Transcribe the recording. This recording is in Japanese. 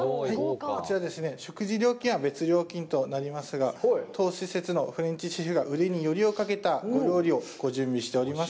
こちらはですね、食事料金は別料金となりますが、当施設のフレンチシェフが腕によりをかけたお料理をご準備しております。